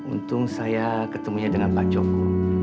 untung saya ketemunya dengan pak joko